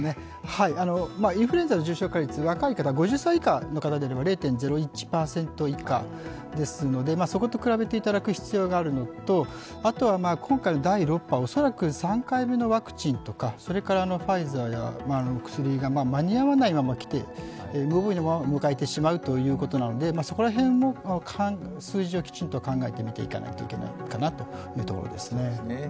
インフルエンザの重症化率６５歳以下の若い方であれば、０．０１％以下ですので、そこと比べていただく必要があるのとあとは今回の第６波、恐らく３回目のワクチンとか、ファイザーなどの薬が間に合わないまま、無防備に迎えてしまうということなので、そこら辺も数字はきちんと考えていかなければいけないかなという所ですね。